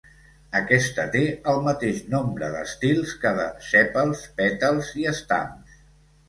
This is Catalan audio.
Aquesta té el mateix nombre d'estils que de sèpals, pètals i estams.